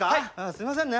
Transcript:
すいませんね。